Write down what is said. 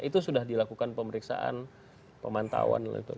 itu sudah dilakukan pemeriksaan pemantauan